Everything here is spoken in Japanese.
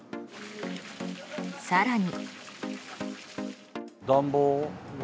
更に。